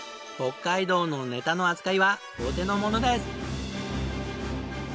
北海道のネタの扱いはお手のものです！